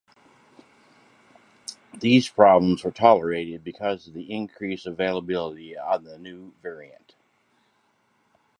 These problems were tolerated because of the increased availability of the new variant.